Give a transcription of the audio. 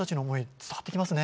伝わってきますね。